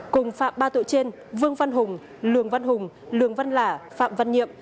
cùng phạm ba tội trên vương văn hùng lường văn hùng lường văn lả phạm văn nhiệm